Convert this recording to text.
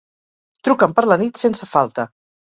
Truca'm per la nit, sense falta.